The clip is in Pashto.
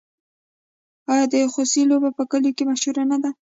آیا د خوسي لوبه په کلیو کې مشهوره نه ده؟